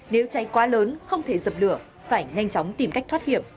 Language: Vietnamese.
nếu cháy quá lớn không thể dập lửa phải nhanh chóng tìm cách thoát hiểm